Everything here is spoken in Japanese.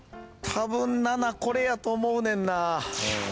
たぶん７これやと思うねんな。